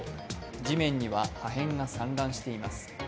地面には破片が散乱しています。